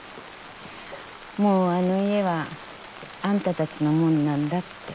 もうあの家はあんたたちのもんなんだって。